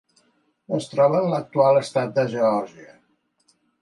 Es troba en l'actual l'estat de Geòrgia.